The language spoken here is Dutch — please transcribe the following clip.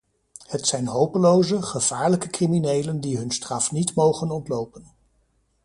Het zijn hopeloze, gevaarlijke criminelen die hun straf niet mogen ontlopen.